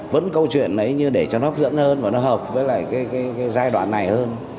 vẫn câu chuyện đấy như để cho nó hấp dẫn hơn và nó hợp với lại cái giai đoạn này hơn